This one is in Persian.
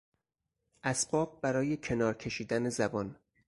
اسباب برای کنار کشیدن زبان